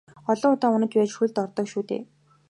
Олон удаа унаж байж хөлд ордог шүү дээ.